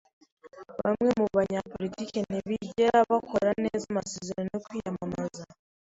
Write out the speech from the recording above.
Bamwe mu banyapolitiki ntibigera bakora neza amasezerano yo kwiyamamaza.